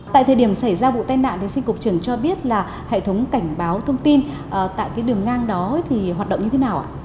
tại thời điểm xảy ra vụ tai nạn thì xin cục trưởng cho biết là hệ thống cảnh báo thông tin tại cái đường ngang đó thì hoạt động như thế nào ạ